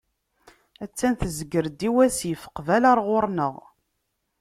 Attan tezger-d i wasif, qbala ɣer ɣur-neɣ.